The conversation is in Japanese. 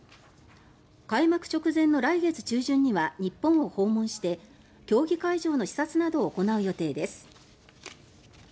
開幕直前の来月中旬には日本を訪問して競技会場の視察などを行う予定です。